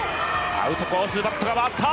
アウトコース、バットが回った！